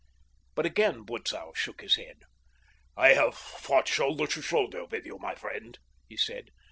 But again Butzow shook his head. "I have fought shoulder to shoulder with you, my friend," he said.